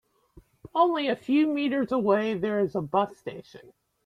Only a few meters away there is a bus station.